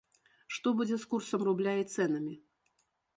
Што будзе з курсам рубля і цэнамі?